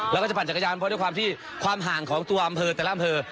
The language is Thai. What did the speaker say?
แล้วก็จะปั่นจักรยานเพราะด้วยความที่ความห่างของตัวอำเภอแต่ละอำเภอ